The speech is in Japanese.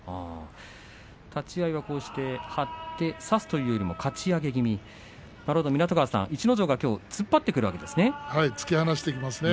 立ち合いはこうして張って差すというよりもかち上げ気味なるほど湊川さん、逸ノ城がきょう突っ張ってくるわけですね。